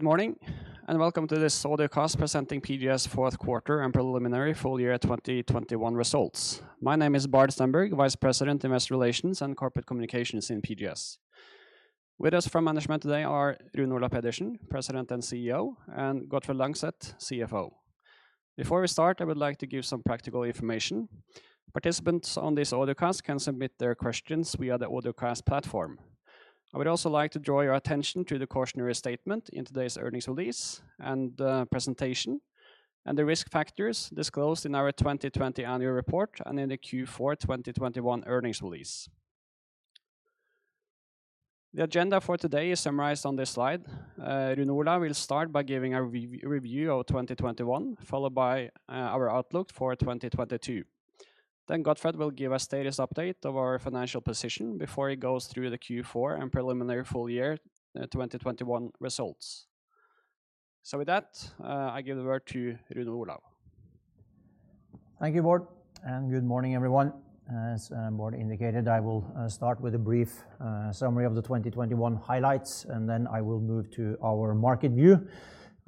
Good morning, and welcome to this audio cast presenting PGS fourth quarter and preliminary full year 2021 results. My name is Bård Stenberg, Vice President, Investor Relations and Corporate Communications in PGS. With us from management today are Rune Olav Pedersen, President and CEO, and Gottfred Langseth, CFO. Before we start, I would like to give some practical information. Participants on this audio cast can submit their questions via the audio cast platform. I would also like to draw your attention to the cautionary statement in today's earnings release and presentation and the risk factors disclosed in our 2020 annual report and in the Q4 2021 earnings release. The agenda for today is summarized on this slide. Rune Olav will start by giving a review of 2021, followed by our outlook for 2022. Gottfred will give a status update of our financial position before he goes through the Q4 and preliminary full year 2021 results. With that, I give the word to Rune Olav. Thank you, Bård, and good morning, everyone. As Bård indicated, I will start with a brief summary of the 2021 highlights, and then I will move to our market view.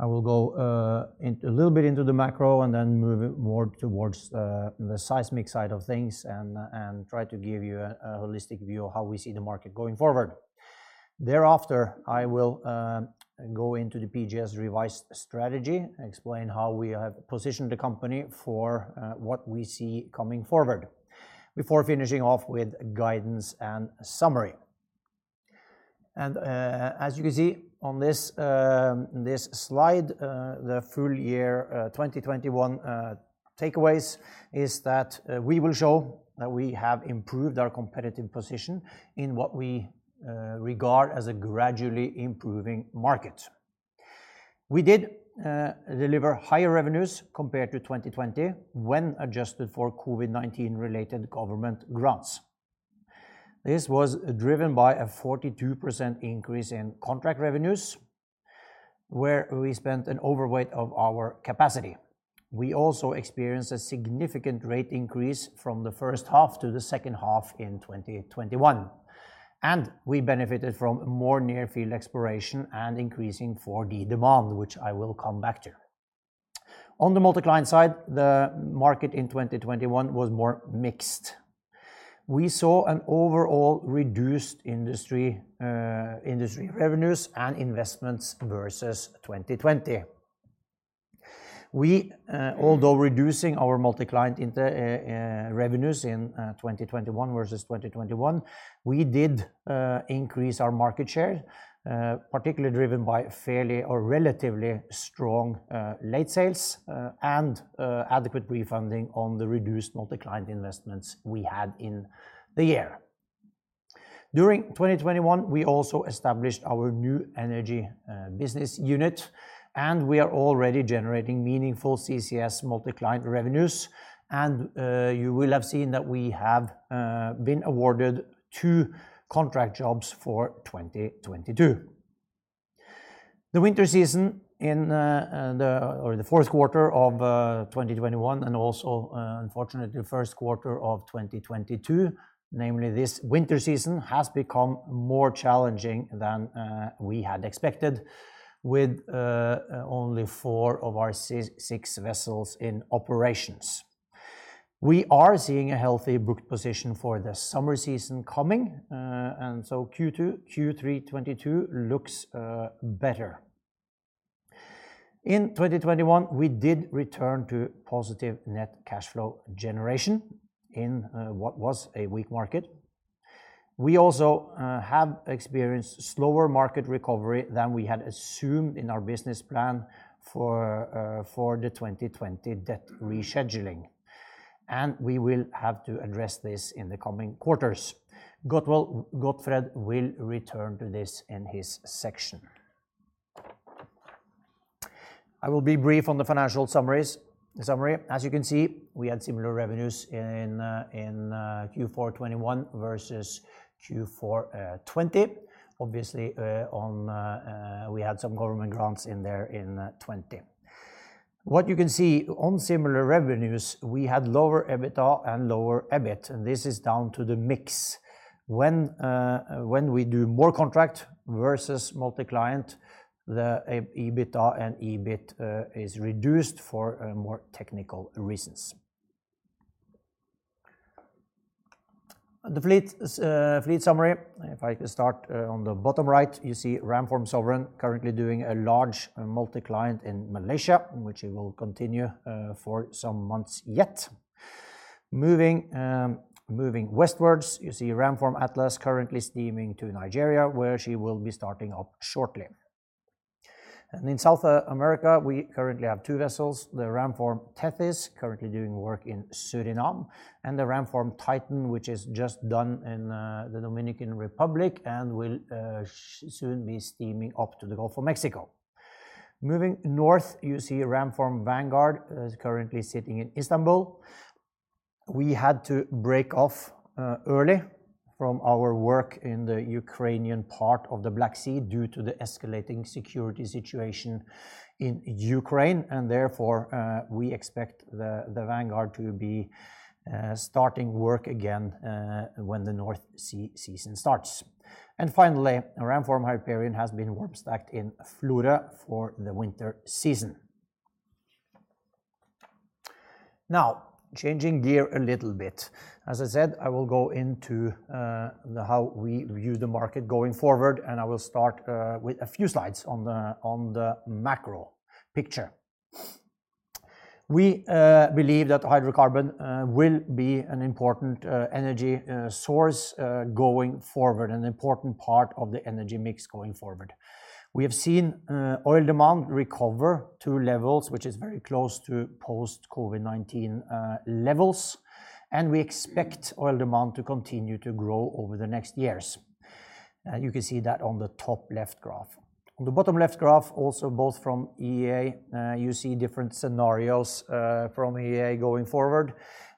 I will go a little bit into the macro and then move it more towards the seismic side of things and try to give you a holistic view of how we see the market going forward. Thereafter, I will go into the PGS revised strategy, explain how we have positioned the company for what we see coming forward before finishing off with guidance and summary. As you can see on this slide, the full year 2021 takeaways is that we will show that we have improved our competitive position in what we regard as a gradually improving market. We did deliver higher revenues compared to 2020 when adjusted for COVID-19 related government grants. This was driven by a 42% increase in contract revenues, where we spent an overweight of our capacity. We also experienced a significant rate increase from the first half to the second half in 2021, and we benefited from more near-field exploration and increasing 4D demand, which I will come back to. On the multi-client side, the market in 2021 was more mixed. We saw an overall reduced industry revenues and investments versus 2020. We although reducing our multi-client revenues in 2021 versus 2020, we did increase our market share, particularly driven by fairly or relatively strong late sales and adequate refunding on the reduced multi-client investments we had in the year. During 2021, we also established our new energy business unit, and we are already generating meaningful CCS multi-client revenues. You will have seen that we have been awarded two contract jobs for 2022. The winter season in or the fourth quarter of 2021 and also unfortunately the first quarter of 2022, namely this winter season, has become more challenging than we had expected with only four of our six vessels in operations. We are seeing a healthy booked position for the summer season coming, and so Q2, Q3 2022 looks better. In 2021, we did return to positive net cash flow generation in what was a weak market. We also have experienced slower market recovery than we had assumed in our business plan for the 2020 debt rescheduling, and we will have to address this in the coming quarters. Gottfred will return to this in his section. I will be brief on the financial summary. As you can see, we had similar revenues in Q4 2021 versus Q4 2020. Obviously, we had some government grants in there in 2020. What you can see on similar revenues, we had lower EBITDA and lower EBIT, and this is down to the mix. When we do more contract versus multi-client, the EBITDA and EBIT is reduced for more technical reasons. The fleet summary, if I start on the bottom right, you see Ramform Sovereign currently doing a large multi-client in Malaysia, which it will continue for some months yet. Moving westwards, you see Ramform Atlas currently steaming to Nigeria, where she will be starting up shortly. In South America, we currently have two vessels, the Ramform Tethys, currently doing work in Suriname, and the Ramform Titan, which is just done in the Dominican Republic and will soon be steaming up to the Gulf of Mexico. Moving north, you see Ramform Vanguard is currently sitting in Istanbul. We had to break off early from our work in the Ukrainian part of the Black Sea due to the escalating security situation in Ukraine and therefore we expect the Vanguard to be starting work again when the North Sea season starts. Finally, Ramform Hyperion has been warm stacked in Florø for the winter season. Now, changing gear a little bit. As I said, I will go into how we view the market going forward and I will start with a few slides on the macro picture. We believe that hydrocarbon will be an important energy source going forward, an important part of the energy mix going forward. We have seen oil demand recover to levels which is very close to post-COVID-19 levels and we expect oil demand to continue to grow over the next years. You can see that on the top left graph. On the bottom left graph, also both from IEA, you see different scenarios from IEA going forward.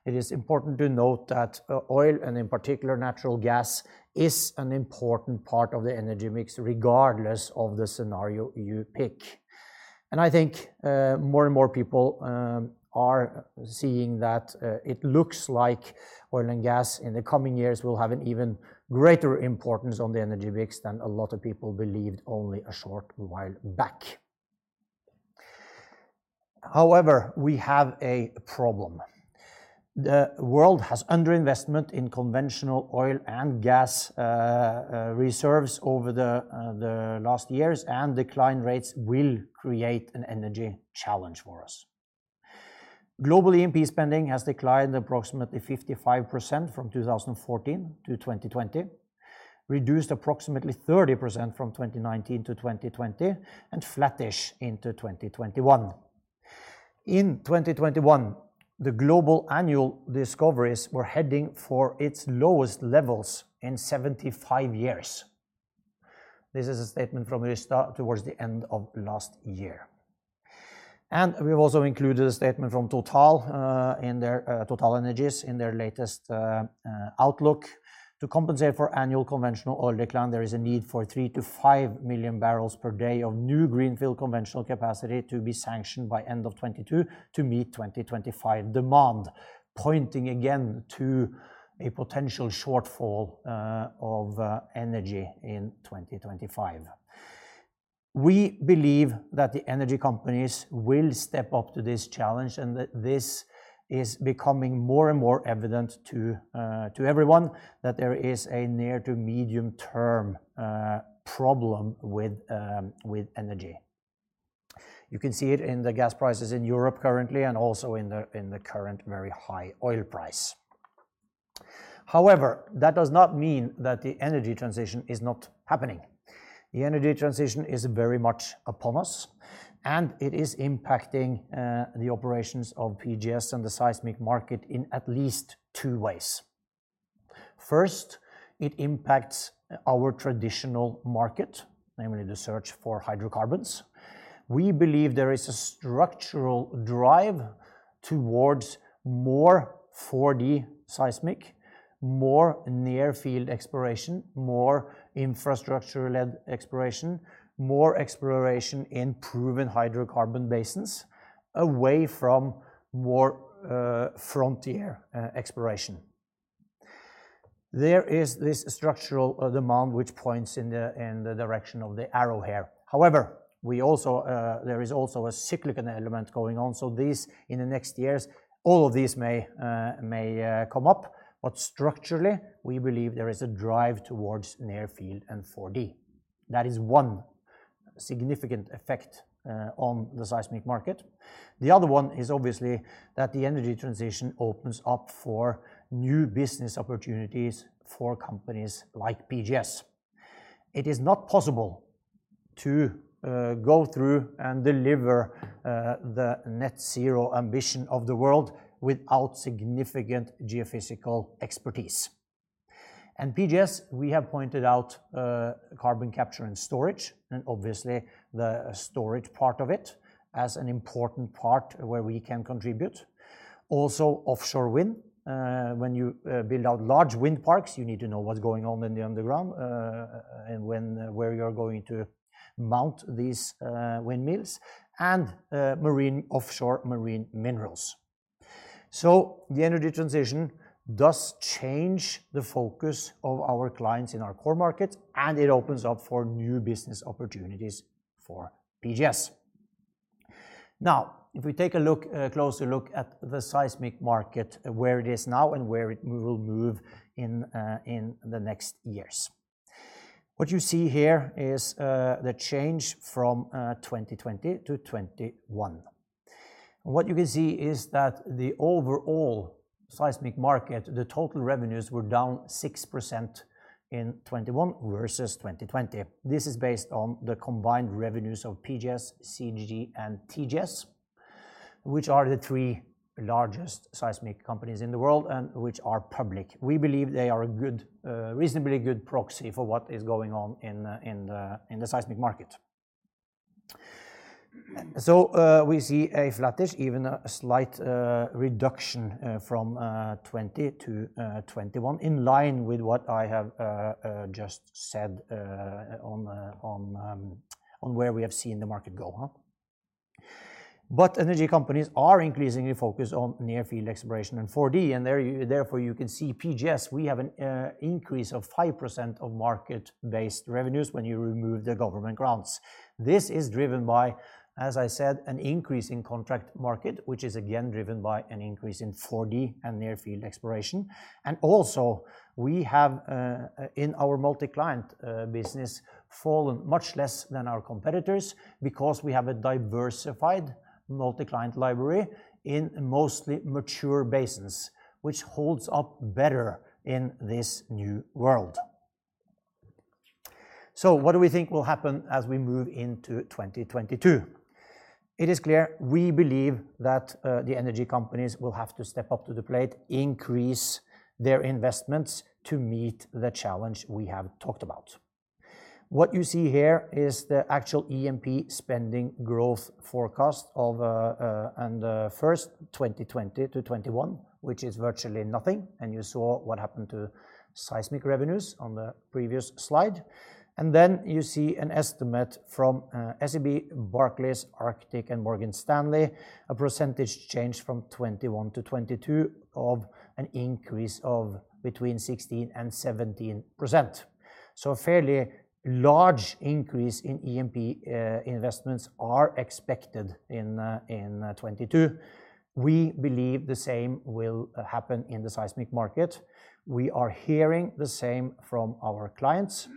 It is important to note that oil and in particular natural gas is an important part of the energy mix regardless of the scenario you pick. I think more and more people are seeing that it looks like oil and gas in the coming years will have an even greater importance on the energy mix than a lot of people believed only a short while back. However, we have a problem. The world has underinvestment in conventional oil and gas reserves over the last years and decline rates will create an energy challenge for us. Global E&P spending has declined approximately 55% from 2014 to 2020, reduced approximately 30% from 2019 to 2020 and flattish into 2021. In 2021, the global annual discoveries were heading for its lowest levels in 75 years. This is a statement from Rystad towards the end of last year. We've also included a statement from TotalEnergies in their latest outlook. To compensate for annual conventional oil decline, there is a need for 3 million-5 million barrels per day of new greenfield conventional capacity to be sanctioned by end of 2022 to meet 2025 demand, pointing again to a potential shortfall of energy in 2025. We believe that the energy companies will step up to this challenge and that this is becoming more and more evident to everyone that there is a near- to medium-term problem with energy. You can see it in the gas prices in Europe currently and also in the current very high oil price. However, that does not mean that the energy transition is not happening. The energy transition is very much upon us and it is impacting the operations of PGS and the seismic market in at least two ways. First, it impacts our traditional market, namely the search for hydrocarbons. We believe there is a structural drive towards more 4D seismic, more near-field exploration, more infrastructure-led exploration, more exploration in proven hydrocarbon basins, away from more frontier exploration. There is this structural demand which points in the direction of the arrow here. However, there is also a cyclical element going on. These, in the next years, all of these may come up. Structurally, we believe there is a drive towards near-field and 4D. That is one significant effect on the seismic market. The other one is obviously that the energy transition opens up for new business opportunities for companies like PGS. It is not possible to go through and deliver the net zero ambition of the world without significant geophysical expertise. PGS, we have pointed out carbon capture and storage, and obviously the storage part of it as an important part where we can contribute. Also offshore wind. When you build out large wind parks, you need to know what's going on in the underground and where you are going to mount these windmills. Offshore marine minerals. The energy transition does change the focus of our clients in our core market, and it opens up for new business opportunities for PGS. Now, if we take a closer look at the seismic market, where it is now and where it will move in the next years. What you see here is the change from 2020 to 2021. What you can see is that the overall seismic market, the total revenues were down 6% in 2021 versus 2020. This is based on the combined revenues of PGS, CGG and TGS, which are the three largest seismic companies in the world and which are public. We believe they are a reasonably good proxy for what is going on in the seismic market. We see a flattish, even a slight reduction from 2020 to 2021, in line with what I have just said on where we have seen the market go. Energy companies are increasingly focused on near-field exploration and 4D, therefore you can see PGS, we have an increase of 5% of market-based revenues when you remove the government grants. This is driven by, as I said, an increase in contract market, which is again driven by an increase in 4D and near-field exploration. Also we have in our multi-client business fallen much less than our competitors because we have a diversified multi-client library in mostly mature basins, which holds up better in this new world. What do we think will happen as we move into 2022? It is clear we believe that the energy companies will have to step up to the plate, increase their investments to meet the challenge we have talked about. What you see here is the actual E&P spending growth forecast from 2020 to 2021, which is virtually nothing. You saw what happened to seismic revenues on the previous slide. Then you see an estimate from SEB, Barclays, Arctic, and Morgan Stanley, a percentage change from 2021 to 2022 of an increase of between 16% and 17%. A fairly large increase in E&P investments are expected in 2022. We believe the same will happen in the seismic market. We are hearing the same from our clients.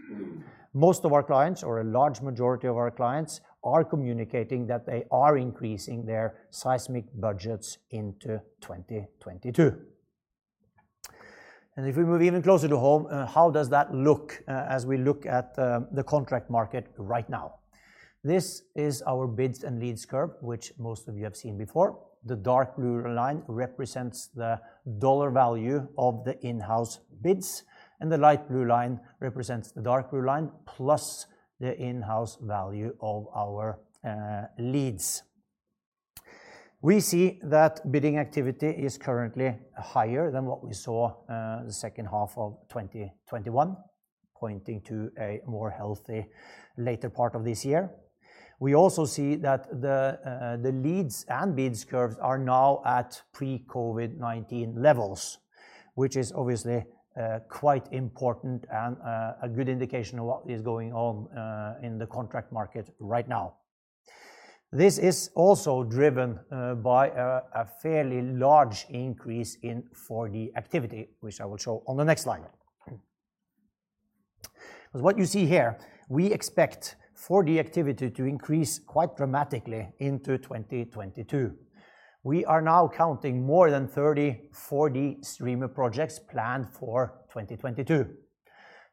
Most of our clients or a large majority of our clients are communicating that they are increasing their seismic budgets into 2022. If we move even closer to home, how does that look, as we look at the contract market right now? This is our bids and leads curve, which most of you have seen before. The dark blue line represents the dollar value of the in-house bids, and the light blue line represents the dark blue line plus the in-house value of our leads. We see that bidding activity is currently higher than what we saw, the second half of 2021, pointing to a more healthy later part of this year. We also see that the leads and bids curves are now at pre-COVID-19 levels, which is obviously quite important and a good indication of what is going on in the contract market right now. This is also driven by a fairly large increase in 4D activity, which I will show on the next slide. What you see here, we expect 4D activity to increase quite dramatically into 2022. We are now counting more than 30 4D streamer projects planned for 2022.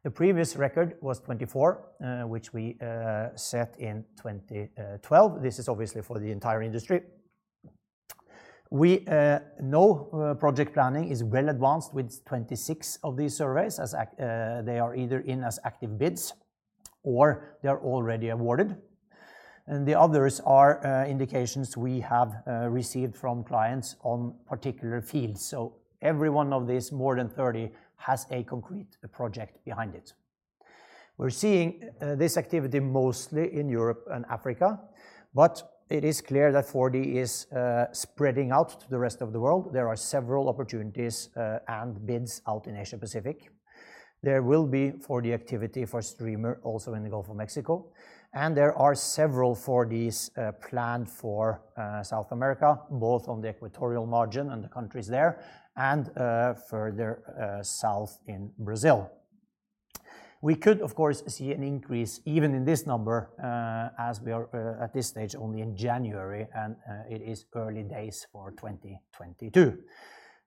The previous record was 24, which we set in 2012. This is obviously for the entire industry. We know project planning is well advanced with 26 of these surveys; they are either in active bids or they are already awarded. The others are indications we have received from clients on particular fields. Every one of these more than 30 has a concrete project behind it. We're seeing this activity mostly in Europe and Africa, but it is clear that 4D is spreading out to the rest of the world. There are several opportunities and bids out in Asia Pacific. There will be 4D activity for streamer also in the Gulf of Mexico. There are several 4Ds planned for South America, both on the equatorial margin and the countries there and further south in Brazil. We could, of course, see an increase even in this number as we are at this stage only in January, and it is early days for 2022.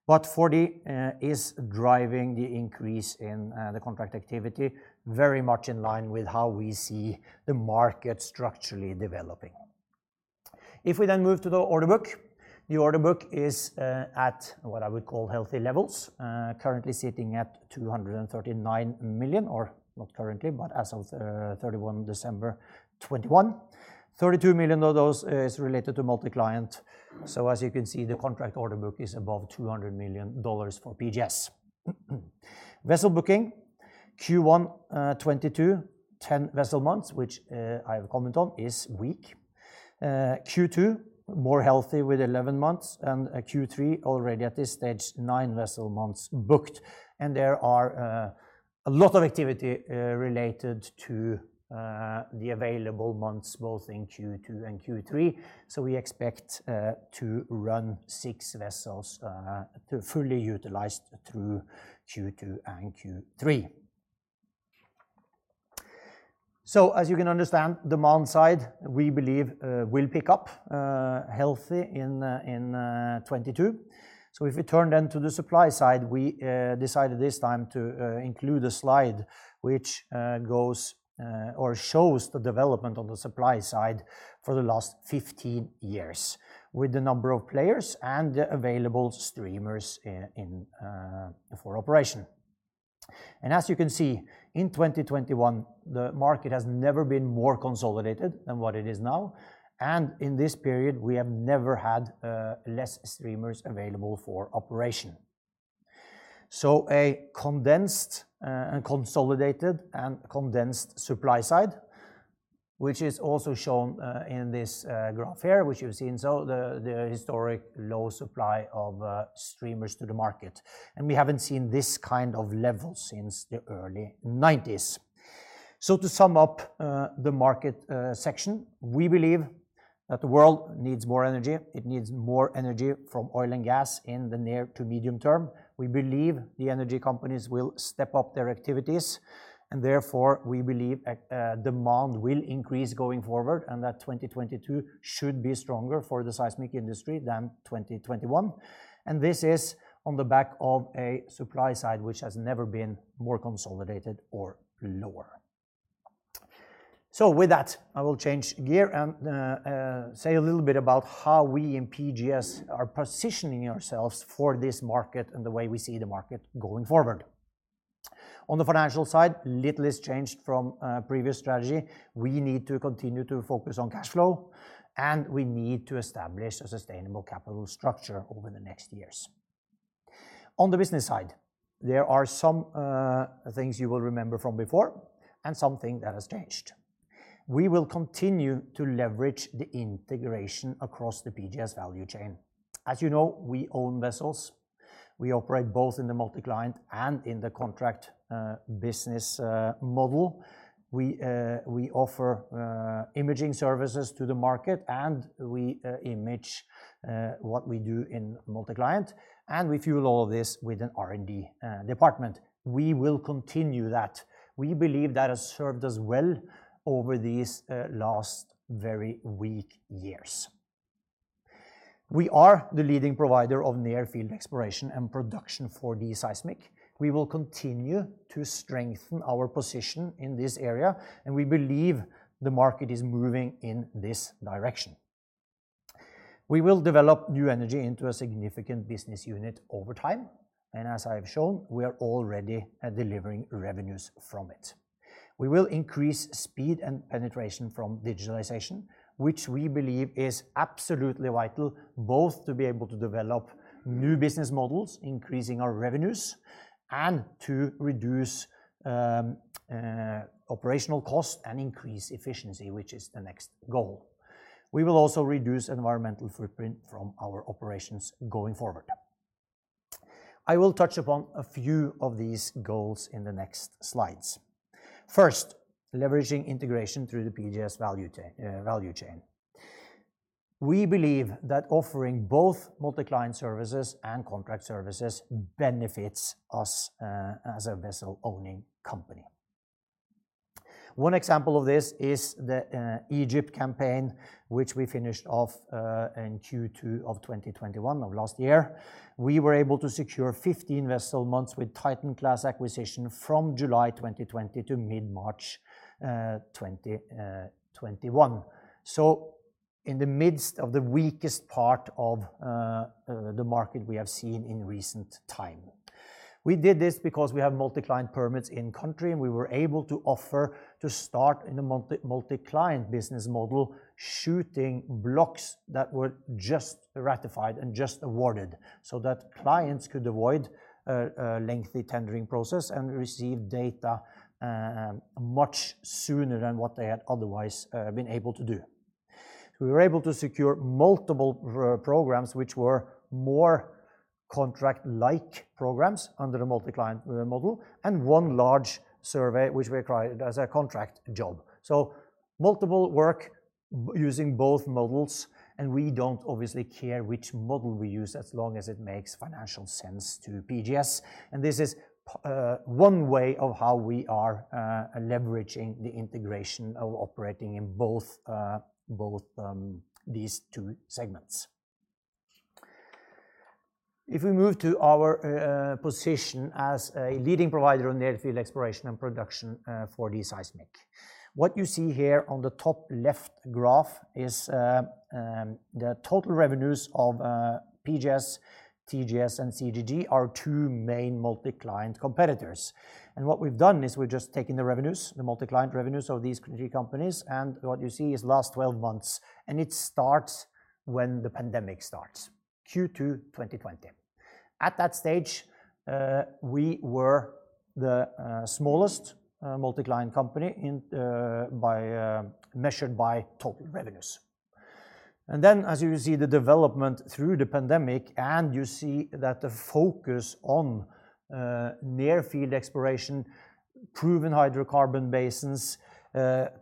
4D is driving the increase in the contract activity very much in line with how we see the market structurally developing. If we then move to the order book, the order book is at what I would call healthy levels, currently sitting at $239 million, or not currently, but as of 31 December 2021. $32 million of those is related to multi-client. As you can see, the contract order book is above $200 million for PGS. Vessel booking Q1 2022, 10 vessel months, which I have a comment on, is weak. Q2 more healthy with 11 months, and Q3 already at this stage, nine vessel months booked. There are a lot of activity related to the available months, both in Q2 and Q3. We expect to run six vessels to fully utilize through Q2 and Q3. As you can understand, demand side, we believe will pick up healthy in 2022. If we turn then to the supply side, we decided this time to include a slide which goes or shows the development on the supply side for the last 15 years with the number of players and the available streamers in for operation. As you can see, in 2021, the market has never been more consolidated than what it is now. In this period, we have never had less streamers available for operation. A condensed and consolidated supply side, which is also shown in this graph here, which you've seen. The historic low supply of streamers to the market. We haven't seen this kind of level since the early 1990s. To sum up the market section, we believe that the world needs more energy. It needs more energy from oil and gas in the near to medium term. We believe the energy companies will step up their activities, and therefore, we believe demand will increase going forward, and that 2022 should be stronger for the seismic industry than 2021. This is on the back of a supply side, which has never been more consolidated or lower. With that, I will change gear and say a little bit about how we in PGS are positioning ourselves for this market and the way we see the market going forward. On the financial side, little is changed from previous strategy. We need to continue to focus on cash flow, and we need to establish a sustainable capital structure over the next years. On the business side, there are some things you will remember from before and something that has changed. We will continue to leverage the integration across the PGS value chain. As you know, we own vessels. We operate both in the multi-client and in the contract business model. We offer imaging services to the market, and we image what we do in multi-client, and we fuel all of this with an R&D department. We will continue that. We believe that has served us well over these last very weak years. We are the leading provider of near-field exploration and production for these seismic. We will continue to strengthen our position in this area, and we believe the market is moving in this direction. We will develop new energy into a significant business unit over time. As I have shown, we are already delivering revenues from it. We will increase speed and penetration from digitalization, which we believe is absolutely vital, both to be able to develop new business models, increasing our revenues, and to reduce operational costs and increase efficiency, which is the next goal. We will also reduce environmental footprint from our operations going forward. I will touch upon a few of these goals in the next slides. First, leveraging integration through the PGS value chain, we believe that offering both multi-client services and contract services benefits us, as a vessel-owning company. One example of this is the Egypt campaign, which we finished off in Q2 2021 of last year. We were able to secure 15 vessel months with Titan-class acquisition from July 2020 to mid-March 2021. In the midst of the weakest part of the market we have seen in recent time. We did this because we have multi-client permits in country, and we were able to offer to start in a multi-client business model, shooting blocks that were just ratified and just awarded, so that clients could avoid a lengthy tendering process and receive data much sooner than what they had otherwise been able to do. We were able to secure multiple programs which were more contract-like programs under a multi-client model, and one large survey which we acquired as a contract job. Multiple work using both models, and we don't obviously care which model we use as long as it makes financial sense to PGS. This is one way of how we are leveraging the integration of operating in both these two segments. If we move to our position as a leading provider of near-field exploration and production seismic. What you see here on the top left graph is the total revenues of PGS, TGS, and CGG, our two main multi-client competitors. What we've done is we've just taken the revenues, the multi-client revenues of these three companies, and what you see is last 12 months. It starts when the pandemic starts, Q2 2020. At that stage, we were the smallest multi-client company in the industry, measured by total revenues. As you see the development through the pandemic, and you see that the focus on near-field exploration, proven hydrocarbon basins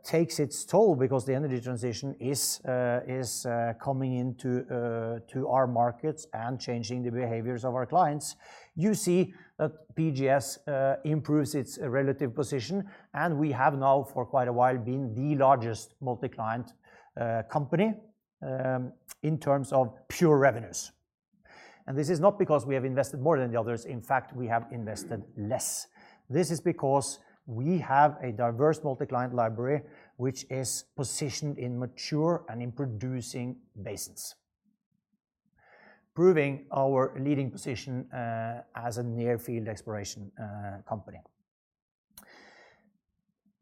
takes its toll because the energy transition is coming into our markets and changing the behaviors of our clients. You see that PGS improves its relative position, and we have now for quite a while been the largest multi-client company in terms of pure revenues. This is not because we have invested more than the others. In fact, we have invested less. This is because we have a diverse multi-client library which is positioned in mature and in producing basins, proving our leading position as a near-field exploration company.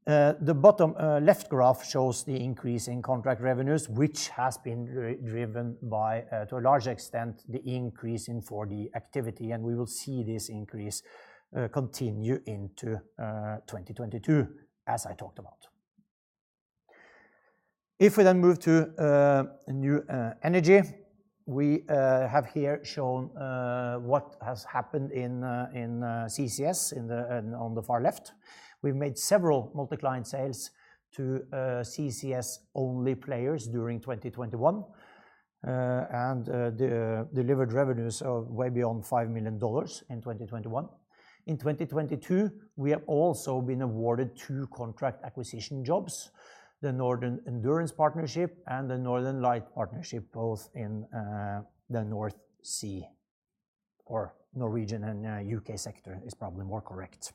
The bottom left graph shows the increase in contract revenues, which has been driven by, to a large extent, the increase in 4D activity. We will see this increase continue into 2022, as I talked about. If we then move to new energy, we have here shown what has happened in CCS on the far left. We've made several multi-client sales to CCS-only players during 2021. The delivered revenues are way beyond $5 million in 2021. In 2022, we have also been awarded two contract acquisition jobs, the Northern Endurance Partnership and the Northern Lights, both in the North Sea or Norwegian and UK sector is probably more correct.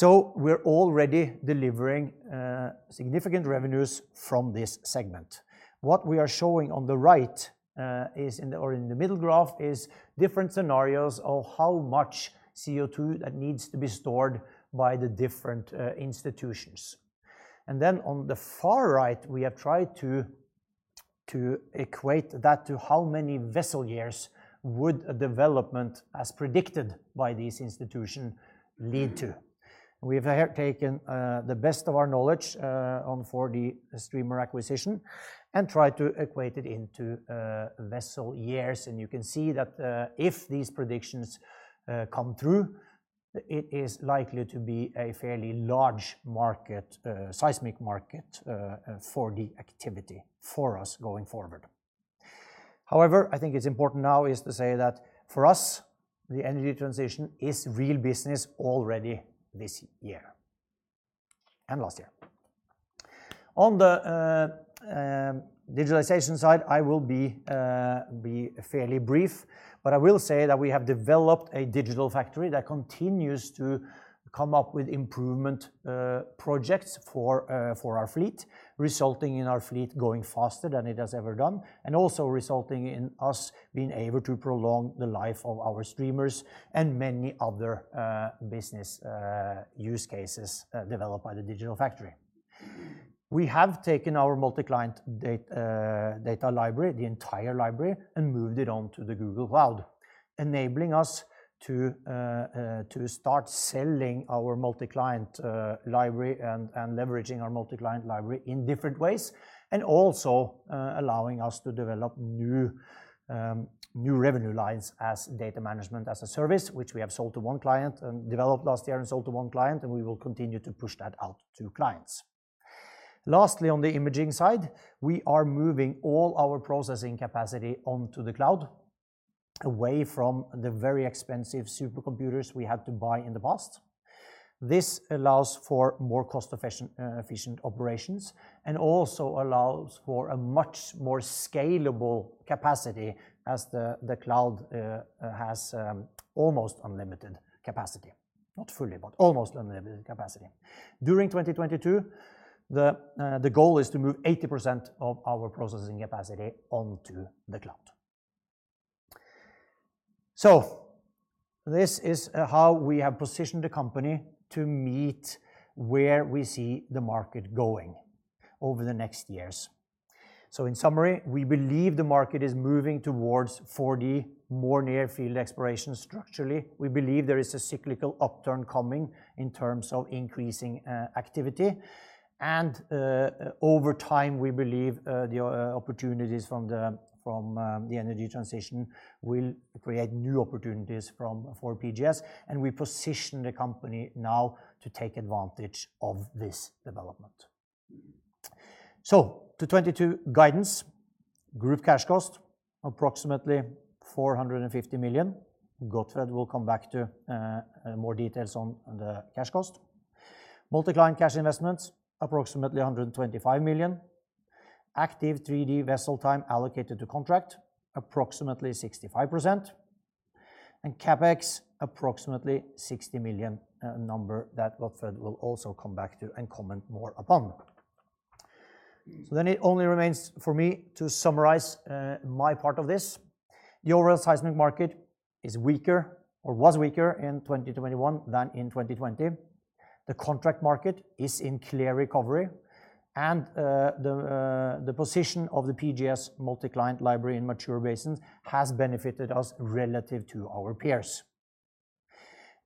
We're already delivering significant revenues from this segment. What we are showing on the right is, or in the middle graph, different scenarios of how much CO2 that needs to be stored by the different institutions. Then on the far right, we have tried to equate that to how many vessel years would a development as predicted by these institutions lead to. We have taken the best of our knowledge on 4D streamer acquisition and tried to equate it into vessel years. You can see that if these predictions come through, it is likely to be a fairly large seismic market, 4D activity for us going forward. However, I think it's important now to say that for us, the energy transition is real business already this year and last year. On the digitalization side, I will be fairly brief, but I will say that we have developed a digital factory that continues to come up with improvement projects for our fleet, resulting in our fleet going faster than it has ever done, and also resulting in us being able to prolong the life of our streamers and many other business use cases developed by the digital factory. We have taken our multi-client data library, the entire library, and moved it onto the Google Cloud, enabling us to start selling our multi-client library and leveraging our multi-client library in different ways, and also allowing us to develop new revenue lines as data management as a service, which we have sold to one client and developed last year and sold to one client, and we will continue to push that out to clients. Lastly, on the imaging side, we are moving all our processing capacity onto the cloud, away from the very expensive supercomputers we had to buy in the past. This allows for more cost efficient operations and also allows for a much more scalable capacity as the cloud has almost unlimited capacity. Not fully, but almost unlimited capacity. During 2022, the goal is to move 80% of our processing capacity onto the cloud. This is how we have positioned the company to meet where we see the market going over the next years. In summary, we believe the market is moving towards 4D, more near field exploration structurally. We believe there is a cyclical upturn coming in terms of increasing activity. Over time, we believe the opportunities from the energy transition will create new opportunities for PGS, and we position the company now to take advantage of this development. To 2022 guidance, group cash cost, approximately $450 million. Gottfred will come back to more details on the cash cost. Multi-client cash investments, approximately $125 million. Active 3D vessel time allocated to contract, approximately 65%. CapEx, approximately $60 million, number that Gottfred will also come back to and comment more upon. It only remains for me to summarize my part of this. The overall seismic market is weaker or was weaker in 2021 than in 2020. The contract market is in clear recovery, and the position of the PGS multi-client library in mature basins has benefited us relative to our peers.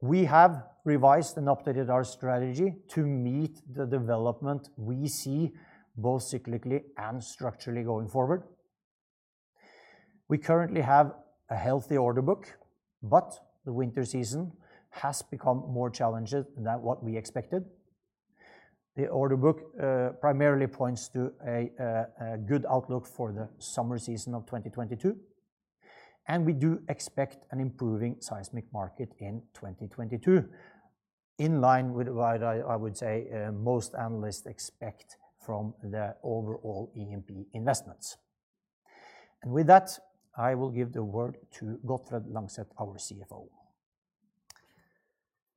We have revised and updated our strategy to meet the development we see both cyclically and structurally going forward. We currently have a healthy order book, but the winter season has become more challenging than what we expected. The order book primarily points to a good outlook for the summer season of 2022, and we do expect an improving seismic market in 2022. In line with what I would say most analysts expect from the overall E&P investments. With that, I will give the word to Gottfred Langseth, our CFO.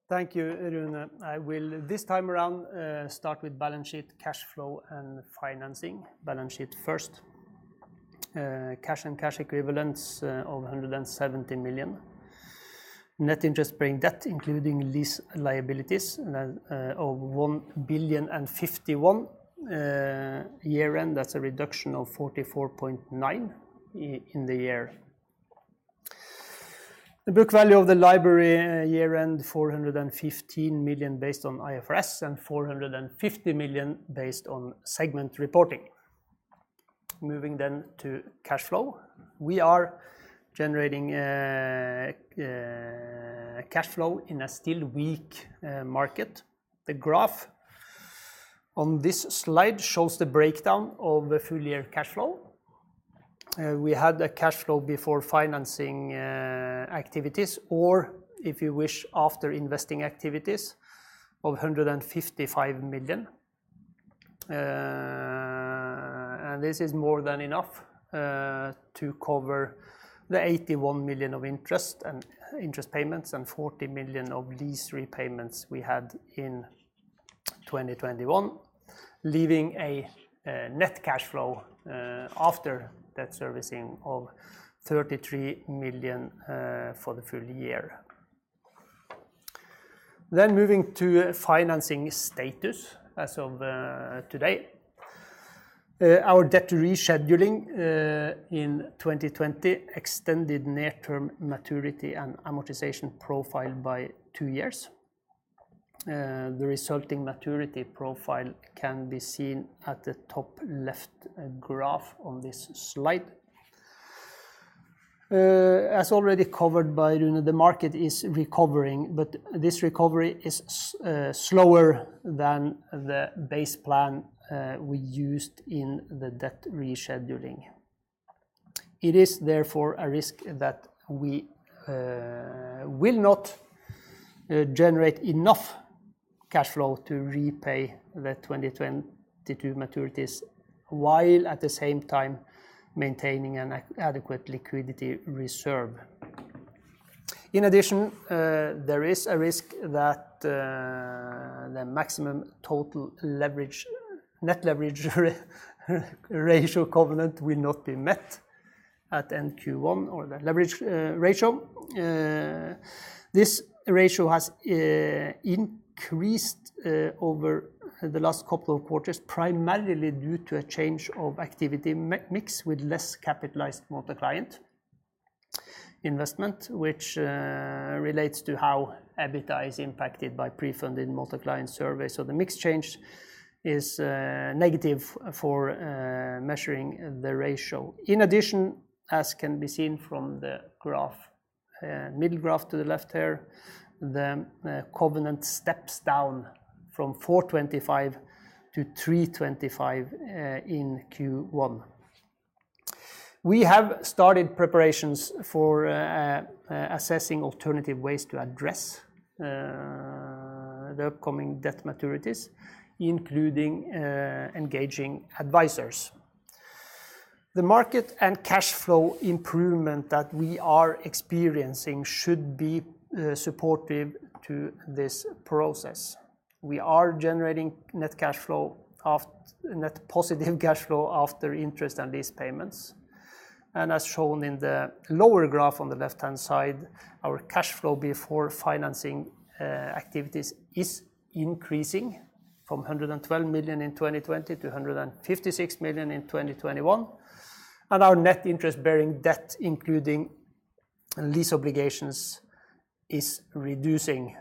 Thank you, Rune. I will this time around start with balance sheet, cash flow, and financing. Balance sheet first. Cash and cash equivalents of $170 million. Net interest bearing debt, including lease liabilities, of $1.051 billion year-end. That's a reduction of $44.9 million in the year. The book value of the library year-end, $415 million based on IFRS, and $450 million based on segment reporting. Moving to cash flow. We are generating cash flow in a still weak market. The graph on this slide shows the breakdown of the full year cash flow. We had a cash flow before financing activities, or if you wish, after investing activities of $155 million. This is more than enough to cover the $81 million of interest payments and $40 million of lease repayments we had in 2021, leaving a net cash flow after debt servicing of $33 million for the full year. Moving to financing status as of today. Our debt rescheduling in 2020 extended near-term maturity and amortization profile by two years. The resulting maturity profile can be seen at the top left graph on this slide. As already covered by Rune, the market is recovering, but this recovery is slower than the base plan we used in the debt rescheduling. It is therefore a risk that we will not generate enough cash flow to repay the 2022 maturities, while at the same time maintaining an adequate liquidity reserve. In addition, there is a risk that the maximum total leverage net leverage ratio covenant will not be met at end Q1 or the leverage ratio. This ratio has increased over the last couple of quarters, primarily due to a change of activity mix with less capitalized multi-client investment, which relates to how EBITDA is impacted by pre-funded multi-client surveys. The mix change is negative for measuring the ratio. In addition, as can be seen from the graph, middle graph to the left here, the covenant steps down from 4.25 to 3.25 in Q1. We have started preparations for assessing alternative ways to address the upcoming debt maturities, including engaging advisors. The market and cash flow improvement that we are experiencing should be supportive to this process. We are generating net positive cash flow after interest and lease payments. As shown in the lower graph on the left-hand side, our cash flow before financing activities is increasing from $112 million in 2020 to $156 million in 2021. Our net interest-bearing debt, including lease obligations, is reducing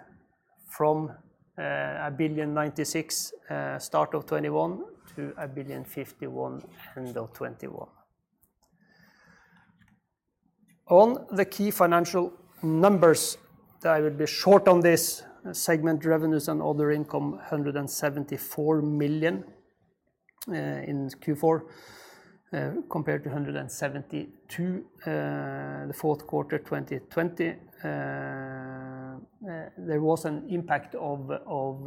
from $1.096 billion start of 2021, to $1.051 billion end of 2021. On the key financial numbers, I will be short on this. Segment revenues and other income, $174 million in Q4, compared to $172 million the fourth quarter 2020. There was an impact of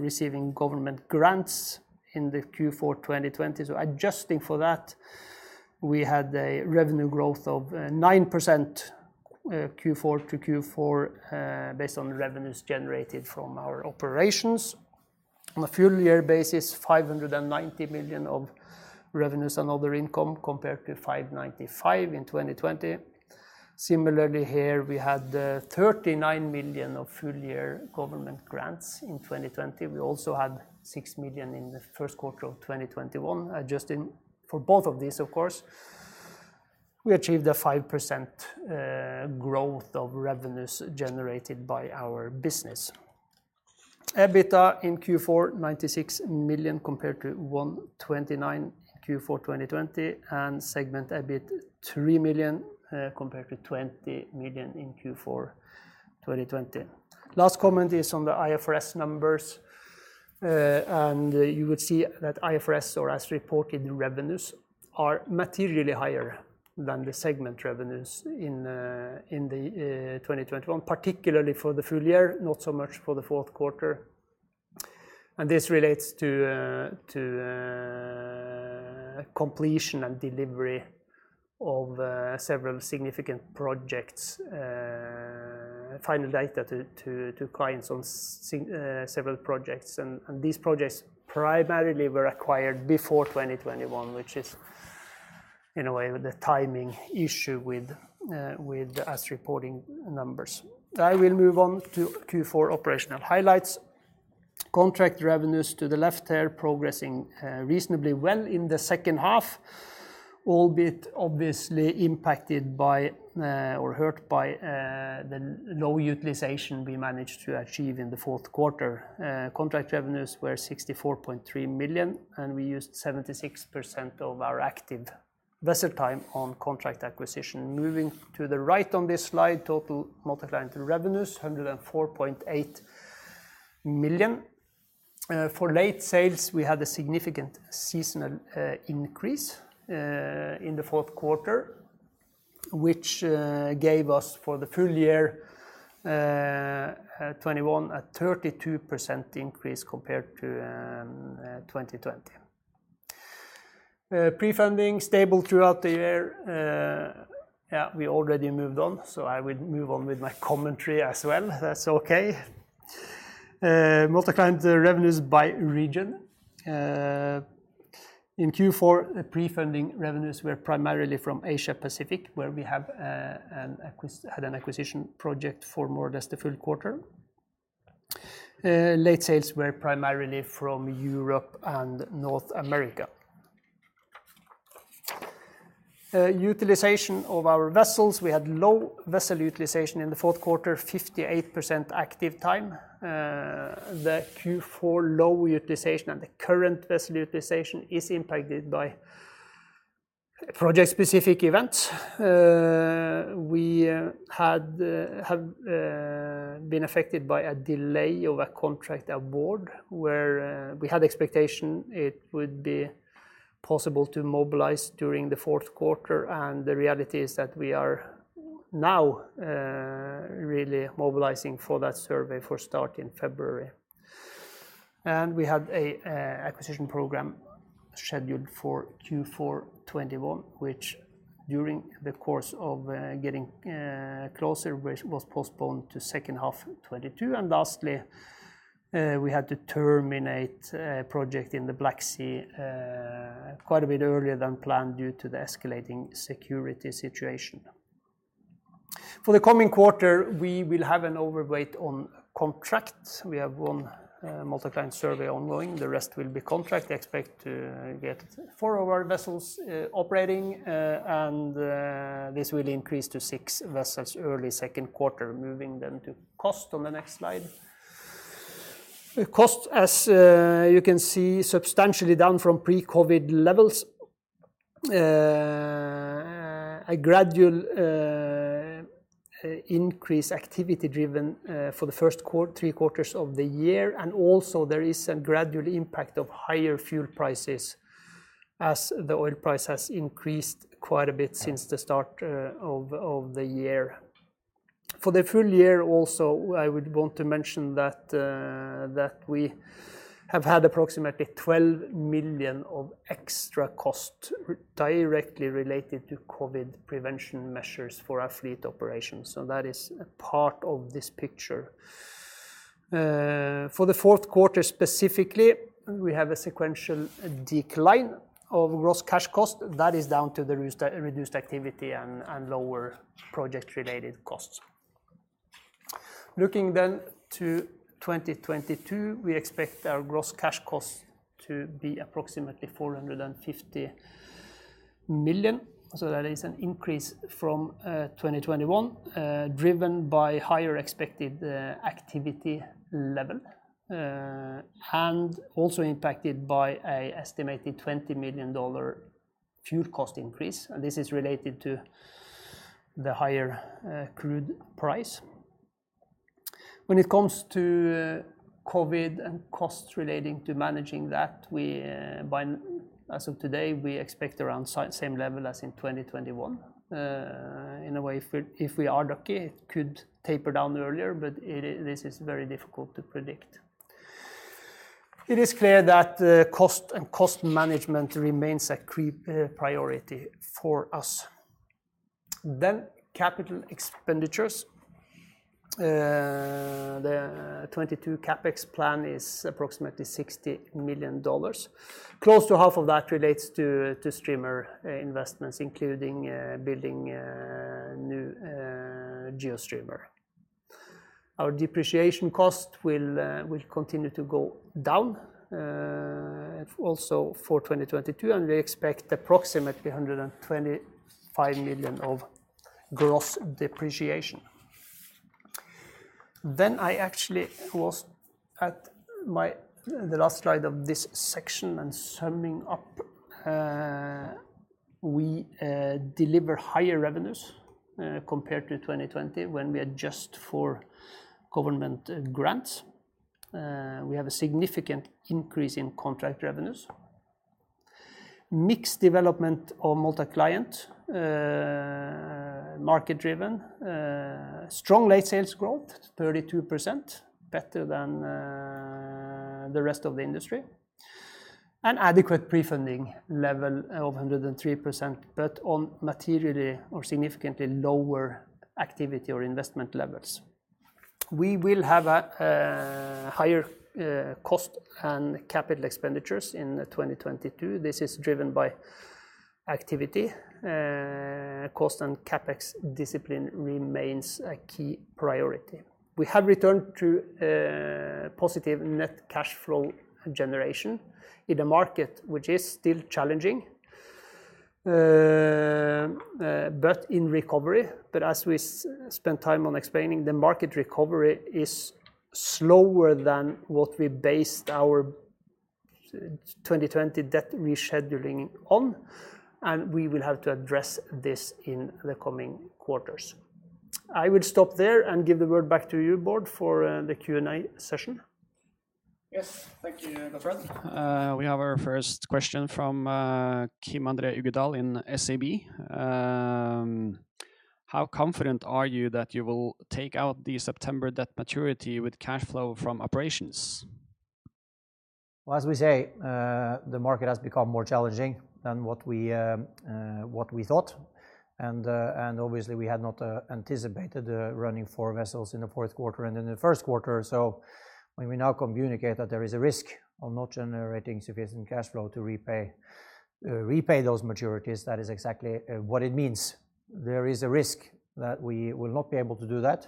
receiving government grants in the Q4 2020. Adjusting for that, we had a revenue growth of 9% Q4 to Q4 based on revenues generated from our operations. On a full year basis, $590 million of revenues and other income compared to $595 million in 2020. Similarly here, we had $39 million of full year government grants in 2020. We also had $6 million in the first quarter of 2021. Adjusting for both of these, of course, we achieved a 5% growth of revenues generated by our business. EBITDA in Q4, $96 million compared to $129 million in Q4 2020, and segment EBIT, $3 million compared to $20 million in Q4 2020. Last comment is on the IFRS numbers. You would see that IFRS or as reported revenues are materially higher than the segment revenues in 2021, particularly for the full year, not so much for the fourth quarter. This relates to completion and delivery of several significant projects and final data to clients on several projects. These projects primarily were acquired before 2021, which is in a way the timing issue with us reporting numbers. I will move on to Q4 operational highlights. Contract revenues to the left there progressing reasonably well in the second half, albeit obviously impacted by, or hurt by, the low utilization we managed to achieve in the fourth quarter. Contract revenues were $64.3 million, and we used 76% of our active vessel time on contract acquisition. Moving to the right on this slide, total multi-client revenues, $104.8 million. For late sales, we had a significant seasonal increase in the fourth quarter, which gave us for the full year, 2021, a 32% increase compared to 2020. Prefunding stable throughout the year. Yeah, we already moved on, so I will move on with my commentary as well. That's okay. Multi-client revenues by region. In Q4, prefunding revenues were primarily from Asia Pacific, where we have had an acquisition project for more or less the full quarter. Late sales were primarily from Europe and North America. Utilization of our vessels, we had low vessel utilization in the fourth quarter, 58% active time. The Q4 low utilization and the current vessel utilization is impacted by project-specific events. We had been affected by a delay of a contract award where we had expectation it would be possible to mobilize during the fourth quarter. The reality is that we are now really mobilizing for that survey for start in February. We had an acquisition program scheduled for Q4 2021, which during the course of getting closer, was postponed to second half 2022. Lastly, we had to terminate a project in the Black Sea quite a bit earlier than planned due to the escalating security situation. For the coming quarter, we will have an overweight on contracts. We have one multi-client survey ongoing. The rest will be contract. expect to get four of our vessels operating, and this will increase to six vessels early second quarter, moving then to cost on the next slide. Cost, as you can see, substantially down from pre-COVID levels. A gradual increase in activity driven for the first three quarters of the year, and also there is a gradual impact of higher fuel prices as the oil price has increased quite a bit since the start of the year. For the full year also, I would want to mention that we have had approximately $12 million of extra cost directly related to COVID prevention measures for our fleet operations, so that is a part of this picture. For the fourth quarter specifically, we have a sequential decline of gross cash costs. That is down to the resource-reduced activity and lower project-related costs. Looking then to 2022, we expect our gross cash costs to be approximately $450 million. That is an increase from 2021, driven by higher expected activity level and also impacted by an estimated $20 million fuel cost increase. This is related to the higher crude price. When it comes to COVID and costs relating to managing that, but as of today, we expect around same level as in 2021. In a way, if we are lucky, it could taper down earlier, but this is very difficult to predict. It is clear that cost and cost management remains a key priority for us. Capital expenditures. The 2022 CapEx plan is approximately $60 million. Close to half of that relates to streamer investments, including building a new GeoStreamer. Our depreciation cost will continue to go down also for 2022, and we expect approximately $125 million of gross depreciation. I actually was at the last slide of this section and summing up. We deliver higher revenues compared to 2020 when we adjust for government grants. We have a significant increase in contract revenues. Mixed development of multi-client market-driven. Strong late sales growth, 32%, better than the rest of the industry. Adequate prefunding level of 103%, but on materially or significantly lower activity or investment levels. We will have a higher cost and capital expenditures in 2022. This is driven by activity. Cost and CapEx discipline remains a key priority. We have returned to positive net cash flow generation in a market which is still challenging, but in recovery. As we spent time on explaining, the market recovery is slower than what we based our 2020 debt rescheduling on, and we will have to address this in the coming quarters. I will stop there and give the word back to you, Bård, for the Q&A session. Yes. Thank you, Gottfred. We have our first question from Kim André Stene in ABG. How confident are you that you will take out the September debt maturity with cash flow from operations? Well, as we say, the market has become more challenging than what we thought. Obviously, we had not anticipated running four vessels in the fourth quarter and in the first quarter. When we now communicate that there is a risk of not generating sufficient cash flow to repay those maturities, that is exactly what it means. There is a risk that we will not be able to do that.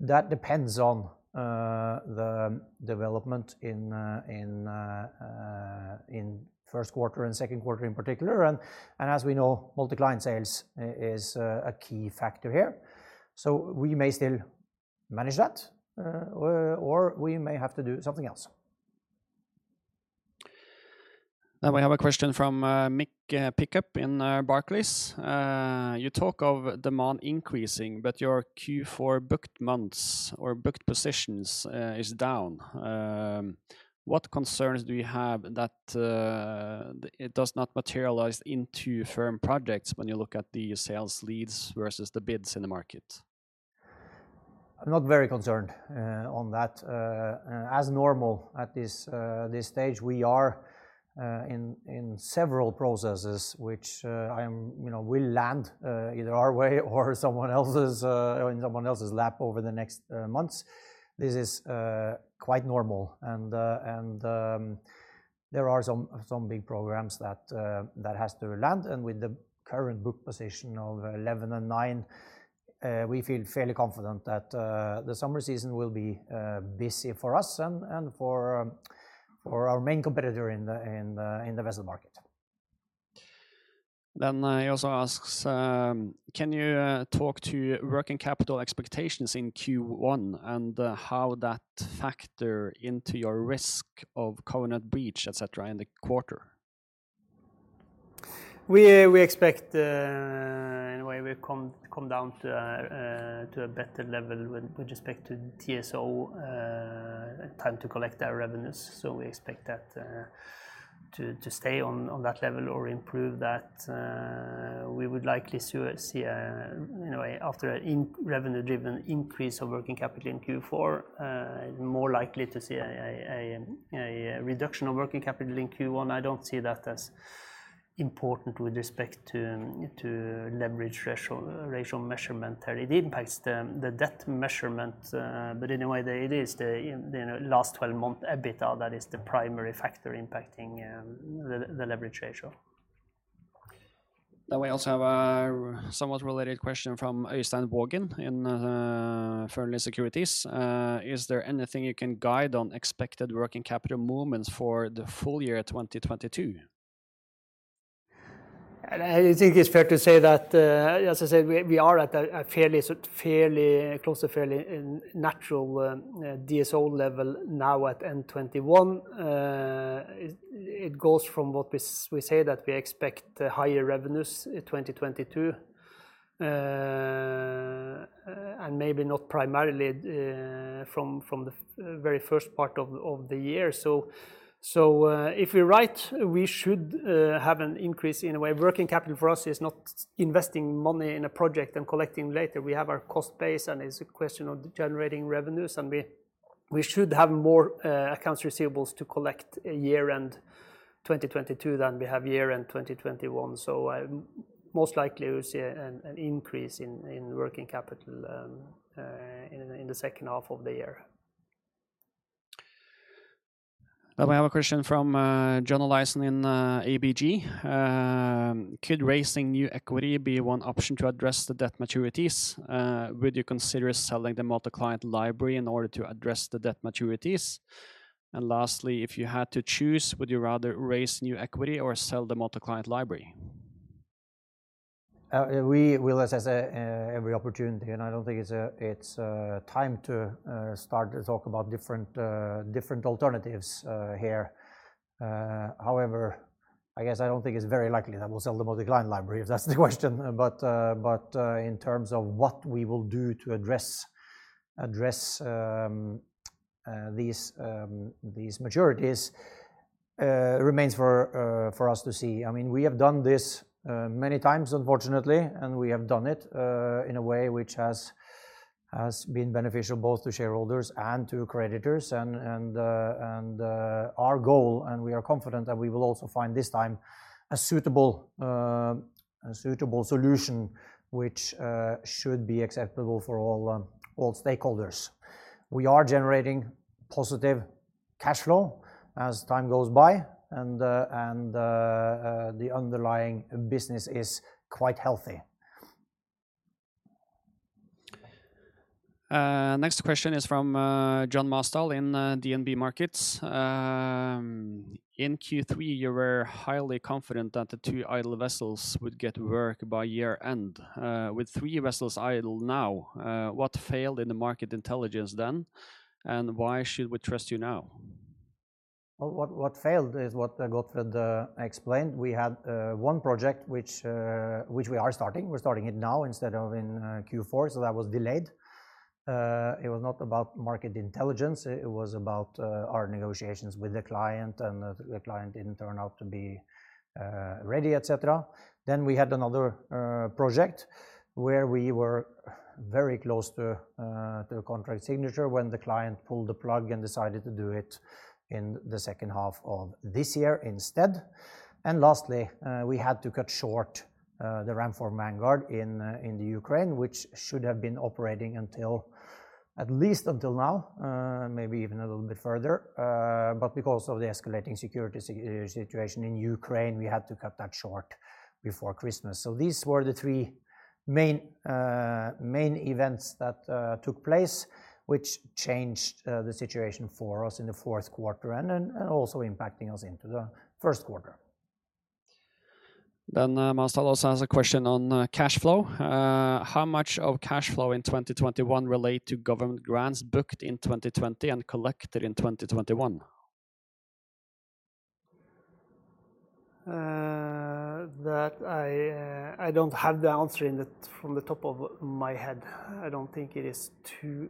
That depends on the development in first quarter and second quarter in particular and, as we know, multi-client sales is a key factor here. We may still manage that, or we may have to do something else. Now we have a question from Mick Pick-up in Barclays. You talk of demand increasing, but your Q4 booked months or booked positions is down. What concerns do you have that it does not materialize into firm projects when you look at the sales leads versus the bids in the market? I'm not very concerned on that. As normal at this stage, we are in several processes which you know will land either our way or someone else's in someone else's lap over the next months. This is quite normal and there are some big programs that has to land, and with the current book position of 11 and nine we feel fairly confident that the summer season will be busy for us and for our main competitor in the vessel market. He also asks, can you talk to working capital expectations in Q1 and how that factor into your risk of covenant breach, et cetera, in the quarter? We expect in a way we've come down to a better level with respect to DSO time to collect our revenues. We expect that to stay on that level or improve that. We would likely to see, you know, after a revenue-driven increase of working capital in Q4, more likely to see a reduction of working capital in Q1. I don't see that as important with respect to leverage ratio measurement. It impacts the debt measurement, but in a way that it is the, you know, last 12-month EBITDA that is the primary factor impacting the leverage ratio. Now we also have a somewhat related question from Øystein Vaage in Fearnley Securities. Is there anything you can guide on expected working capital movements for the full year 2022? I think it's fair to say that, as I said, we are at a fairly close to fairly natural DSO level now at end 2021. It goes from what we say that we expect higher revenues in 2022, and maybe not primarily from the very first part of the year. If we're right, we should have an increase. In a way, working capital for us is not investing money in a project and collecting later. We have our cost base, and it's a question of generating revenues, and we should have more accounts receivables to collect year-end 2022 than we have year-end 2021. Most likely we'll see an increase in working capital in the second half of the year. Now I have a question from John Olaisen in ABG. Could raising new equity be one option to address the debt maturities? Would you consider selling the multi-client library in order to address the debt maturities? Lastly, if you had to choose, would you rather raise new equity or sell the multi-client library? We will assess every opportunity, and I don't think it's time to start to talk about different alternatives here. However, I guess I don't think it's very likely that we'll sell the multi-client library, if that's the question. In terms of what we will do to address these maturities, It remains for us to see. I mean, we have done this many times unfortunately, and we have done it in a way which has been beneficial both to shareholders and to creditors. Our goal and we are confident that we will also find this time a suitable solution which should be acceptable for all stakeholders. We are generating positive cash flow as time goes by, and the underlying business is quite healthy. Next question is from John Mostall in DNB Markets. In Q3, you were highly confident that the two idle vessels would get work by year-end. With three vessels idle now, what failed in the market intelligence then, and why should we trust you now? What failed is what Gottfred explained. We had one project which we are starting. We're starting it now instead of in Q4, so that was delayed. It was not about market intelligence. It was about our negotiations with the client, and the client didn't turn out to be ready, et cetera. We had another project where we were very close to a contract signature when the client pulled the plug and decided to do it in the second half of this year instead. Last, we had to cut short the Ramform Vanguard in the Ukraine, which should have been operating until at least now, maybe even a little bit further. Because of the escalating security situation in Ukraine, we had to cut that short before Christmas. These were the three main events that took place, which changed the situation for us in the fourth quarter and also impacting us into the first quarter. Mostall also has a question on cash flow. How much of cash flow in 2021 relate to government grants booked in 2020 and collected in 2021? I don't have the answer off the top of my head. I don't think it is too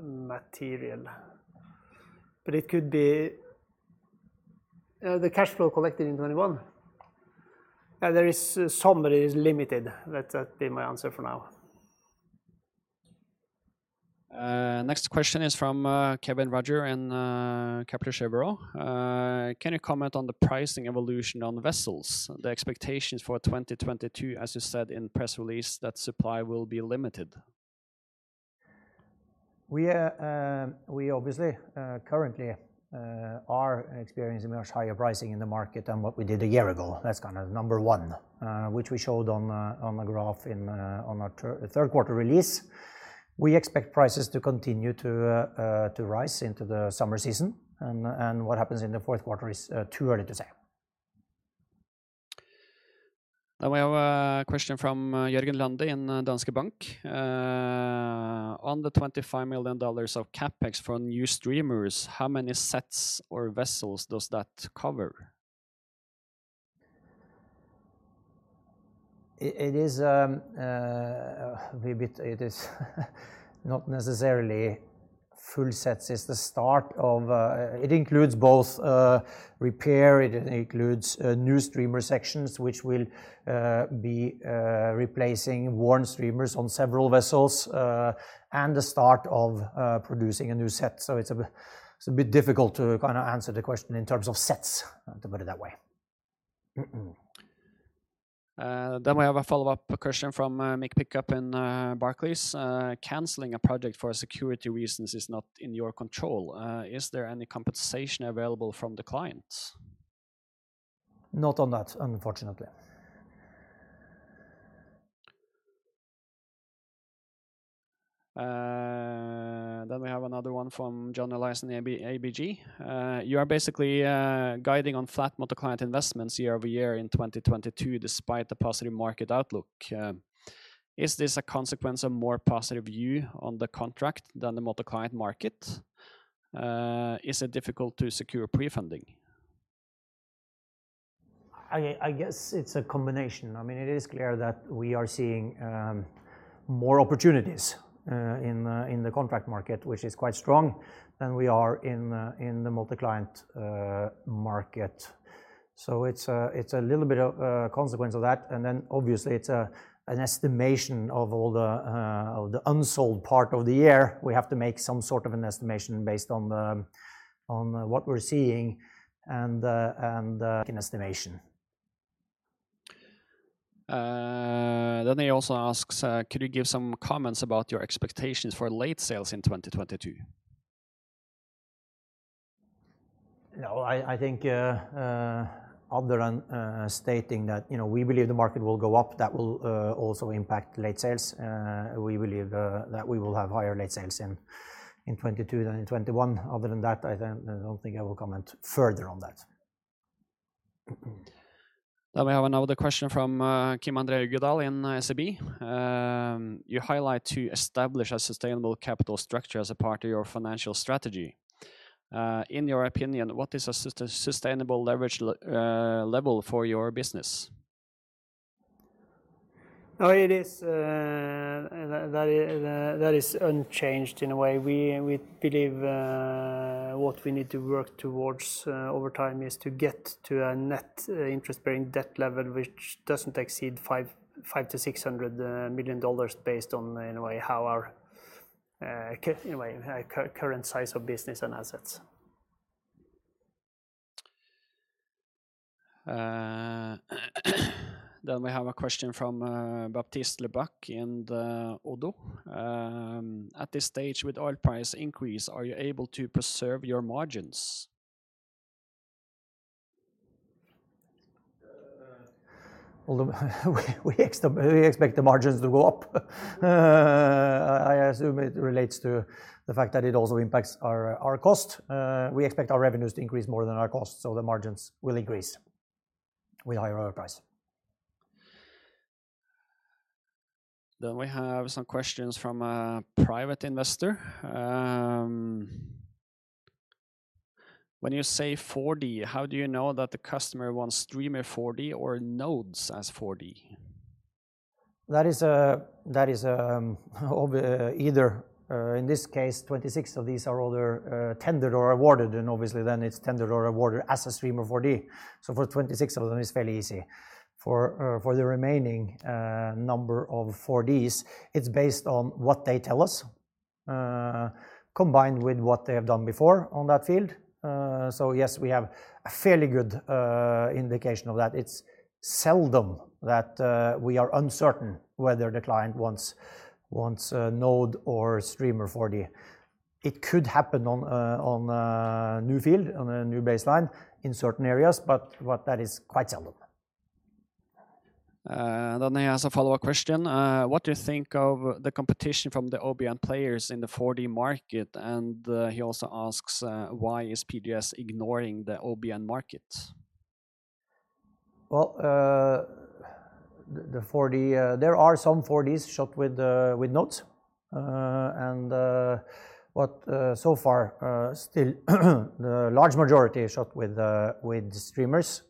material. It could be the cash flow collected in 2021? Yeah, there is some, but it is limited. Let that be my answer for now. Next question is from Kévin Roger in Kepler Cheuvreux. Can you comment on the pricing evolution on the vessels? The expectations for 2022, as you said in press release, that supply will be limited. We obviously currently are experiencing much higher pricing in the market than what we did a year ago. That's kind of number one, which we showed on the graph in our third quarter release. We expect prices to continue to rise into the summer season and what happens in the fourth quarter is too early to say. We have a question from Jørgen Lande in Danske Bank. On the $25 million of CapEx for new streamers, how many sets or vessels does that cover? It is a wee bit. It is not necessarily full sets. It's the start of repair and new streamer sections which will be replacing worn streamers on several vessels, and the start of producing a new set. It's a bit difficult to kinda answer the question in terms of sets, to put it that way. We have a follow-up question from Mick Pick-up in Barclays. Canceling a project for security reasons is not in your control. Is there any compensation available from the client? Not on that, unfortunately. We have another one from John Olaisen, ABG. You are basically guiding on flat multi-client investments year-over-year in 2022 despite the positive market outlook. Is this a consequence of more positive view on the contract than the multi-client market? Is it difficult to secure prefunding? I guess it's a combination. I mean, it is clear that we are seeing more opportunities in the contract market, which is quite strong, than we are in the multi-client market. It's a little bit of a consequence of that, and then obviously it's an estimation of all the of the unsold part of the year. We have to make some sort of an estimation based on what we're seeing and an estimation. He also asks, could you give some comments about your expectations for late sales in 2022? No, I think, other than stating that, you know, we believe the market will go up, that will also impact late sales. We believe that we will have higher late sales in 2022 than in 2021. Other than that, I don't think I will comment further on that. We have another question from Kim André Stene in ABG Sundal Collier. You highlight to establish a sustainable capital structure as a part of your financial strategy. In your opinion, what is a sustainable leverage level for your business? No, it is, and that is unchanged in a way. We believe what we need to work towards over time is to get to a net interest-bearing debt level, which doesn't exceed $500 million-$600 million based on, in a way, how our current size of business and assets. We have a question from Baptiste Lebacq in ODDO BHF. At this stage with oil price increase, are you able to preserve your margins? Although we expect the margins to go up. I assume it relates to the fact that it also impacts our cost. We expect our revenues to increase more than our costs, so the margins will increase with higher oil price. We have some questions from a private investor. When you say 4D, how do you know that the customer wants streamer 4D or nodes as 4D? That is either in this case, 26 of these are all either tendered or awarded, and obviously then it's tendered or awarded as a streamer 4D. For 26 of them, it's fairly easy. For the remaining number of 4Ds, it's based on what they tell us combined with what they have done before on that field. Yes, we have a fairly good indication of that. It's seldom that we are uncertain whether the client wants a node or streamer 4D. It could happen on a new field, on a new baseline in certain areas, but that is quite seldom. He has a follow-up question. What do you think of the competition from the OBN players in the 4D market? He also asks, why is PGS ignoring the OBN market? Well, the 4D, there are some 4Ds shot with nodes. So far, still, the large majority is shot with streamers.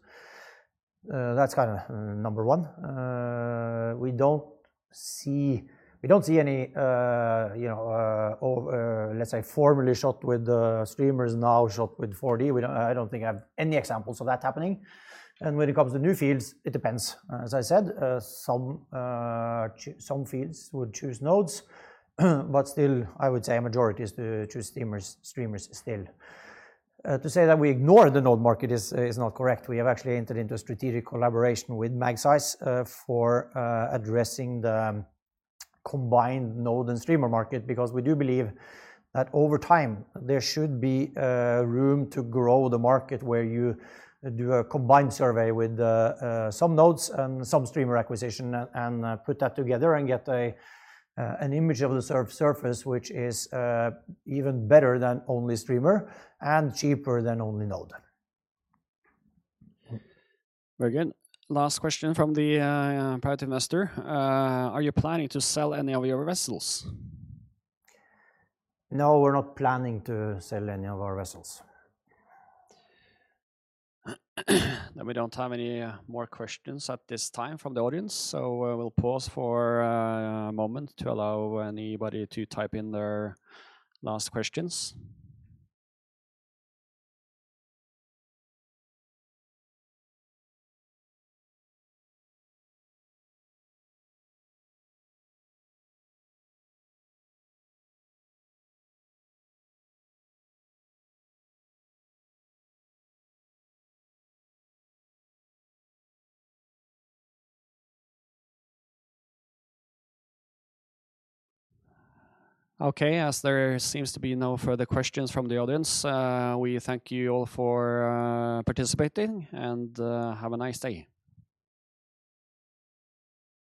That's kind of number one. We don't see any, you know, let's say, formerly shot with streamers now shot with 4D. I don't think I have any examples of that happening. When it comes to new fields, it depends. As I said, some fields would choose nodes, but still, I would say a majority is to choose streamers still. To say that we ignore the node market is not correct. We have actually entered into a strategic collaboration with Magseis for addressing the combined node and streamer market, because we do believe that over time, there should be room to grow the market where you do a combined survey with some nodes and some streamer acquisition and put that together and get an image of the surface which is even better than only streamer and cheaper than only node. Very good. Last question from the private investor. Are you planning to sell any of your vessels? No, we're not planning to sell any of our vessels. We don't have any more questions at this time from the audience, so we'll pause for a moment to allow anybody to type in their last questions. Okay. As there seems to be no further questions from the audience, we thank you all for participating, and have a nice day.